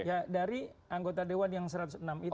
ya dari anggota dewan yang satu ratus enam itu